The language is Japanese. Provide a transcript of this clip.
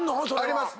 あります。